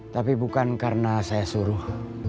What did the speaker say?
tapi bukan karena saya suruh